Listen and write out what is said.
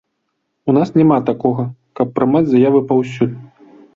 У нас няма такога, каб прымаць заявы паўсюль.